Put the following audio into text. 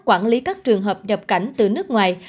quản lý các trường hợp nhập cảnh từ nước ngoài